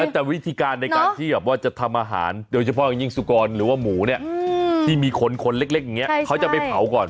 แต่วิธีการในการที่แบบว่าจะทำอาหารโดยเฉพาะอย่างยิ่งสุกรหรือว่าหมูเนี่ยที่มีคนคนเล็กอย่างนี้เขาจะไปเผาก่อน